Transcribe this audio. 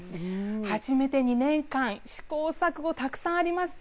始めて２年間試行錯誤たくさんありました。